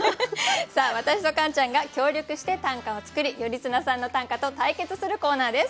私とカンちゃんが協力して短歌を作り頼綱さんの短歌と対決するコーナーです。